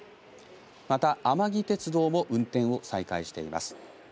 また甘木鉄道も運転を再開しています。